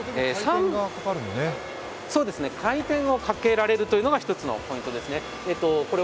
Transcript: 回転をかけられるというのが一つのポイントですね。